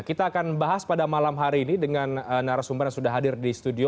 kita akan bahas pada malam hari ini dengan narasumber yang sudah hadir di studio